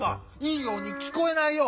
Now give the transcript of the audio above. いいようにきこえないよ！